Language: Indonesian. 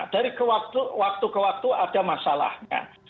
dari waktu ke waktu ada masalahnya